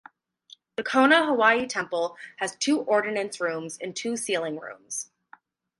The Kona Hawaii Temple has two ordinance rooms and two sealing rooms.